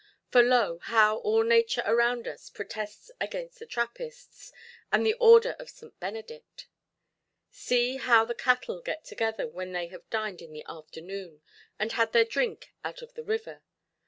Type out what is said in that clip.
For lo, how all nature around us protests against the Trappists, and the order of St. Benedict! See how the cattle get together when they have dined in the afternoon, and had their drink out of the river.